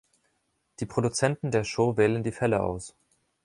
Die Produzenten der Show wählen die Fälle aus.